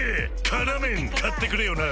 「辛麺」買ってくれよな！